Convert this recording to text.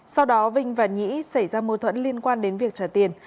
sau đó vinh và nhĩ xảy ra mâu thuẫn liên quan đến việc trả tiền